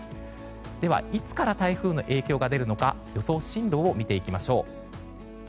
では、いつから台風の影響が出るのか予想進路を見ていきましょう。